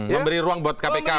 memberi ruang buat kpk